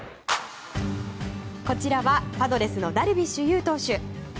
こちらはパドレスのダルビッシュ有投手。